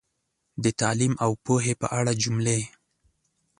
د تعلیم او پوهې په اړه جملې